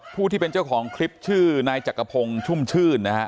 ผู้ที่เป็นเจ้าของคลิปชื่อนายจักรพงศ์ชุ่มชื่นนะฮะ